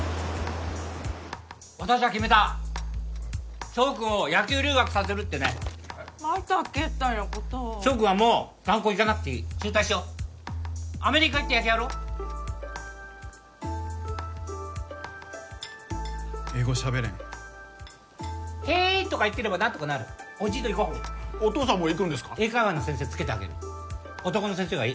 私は決めた翔君を野球留学させるってねまたけったいなことを翔君はもうザン高行かなくていい中退しようアメリカ行って野球やろう英語しゃべれんヘーイとか言ってれば何とかなるおじいと行こうお義父さんも行くんですか英会話の先生つけてあげる男の先生がいい？